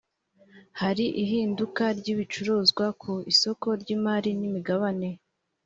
hari ihinduka ry’ibicuruzwa ku isoko ry’imari n’imigabane